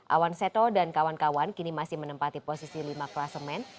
awan seto dan kawan kawan kini masih menempati posisi lima klasemen